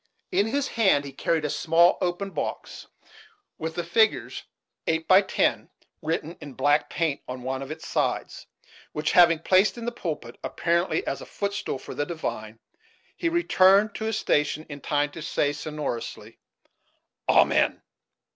In his hand he carried a small open box, with the figures "8 by 10" written in black paint on one of its sides; which, having placed in the pulpit, apparently as a footstool for the divine, he returned to his station in time to say, sonorously, "Amen."